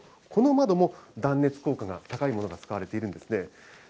この窓も断熱効果が高いものが使われているんですね。